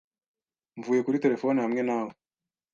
Mvuye kuri terefone hamwe nawe .